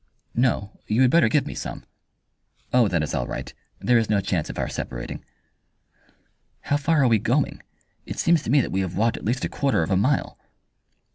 "No; you had better give me some." "Oh, that is all right. There is no chance of our separating." "How far are we going? It seems to me that we have walked at least a quarter of a mile."